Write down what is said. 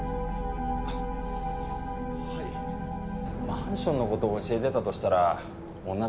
マンションのこと教えてたとしたら女だな。